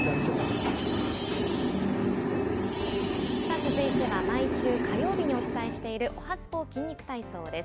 続いては、毎週火曜日にお伝えしている、おはＳＰＯ筋肉体操です。